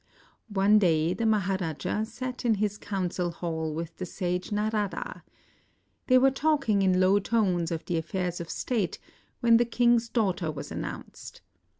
One day the Maha raja sat in his coimcil hall with the sage Narada. They were talking in low tones of the 13 INDIA affairs of state when the king's daughter was announced.